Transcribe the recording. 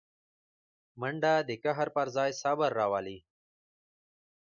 منډه د قهر پر ځای صبر راولي